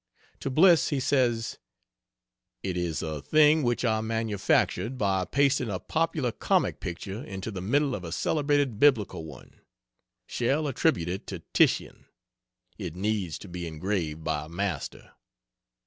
To Bliss he says: "It is a thing which I manufactured by pasting a popular comic picture into the middle of a celebrated Biblical one shall attribute it to Titian. It needs to be engraved by a master."